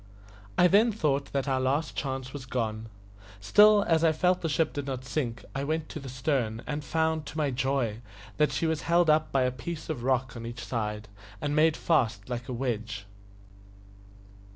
I then thought that our last chance was gone. Still, as I felt the ship did not sink, I went to the stern, and found, to my joy, that she was held up by a piece of rock on each side, and made fast like a wedge.